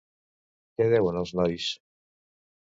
Què duen els nois?